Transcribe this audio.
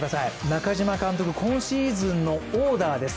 中嶋監督、今シーズンのオーダーです。